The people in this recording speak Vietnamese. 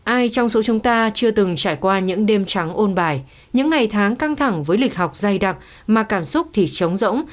ai trong số chúng ta chưa từng trải qua những đêm trắng ôn bài những ngày tháng căng thẳng với lịch học dày đặc mà cảm xúc thì chống rỗng